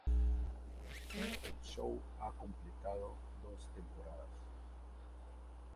El show ha completado dos temporadas.